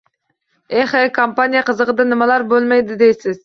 Eh-he, «kampaniya» qizig‘ida nimalar bo‘lmadi, deysiz...